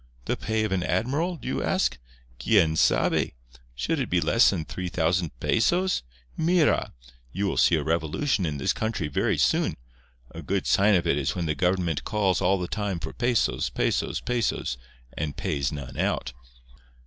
The pay of an admiral, do you ask? Quién sabe? Should it be less than three thousand pesos? Mira! you will see a revolution in this country very soon. A good sign of it is when the government calls all the time for pesos, pesos, pesos, and pays none out."